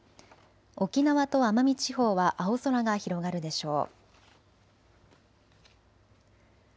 沖縄と奄美地方は青空が広がるでしょう。